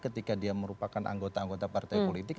ketika dia merupakan anggota anggota partai politik